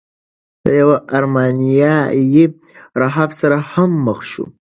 له یوه ارمینیايي راهب سره هم مخ شو.